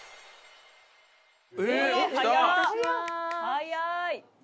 早い！